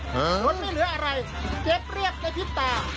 มันไม่เหลืออะไรเจ็บเรียบในพิษตา